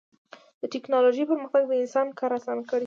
د ټکنالوجۍ پرمختګ د انسان کار اسان کړی دی.